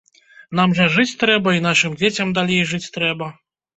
Нам жа жыць трэба і нашым дзецям далей жыць трэба.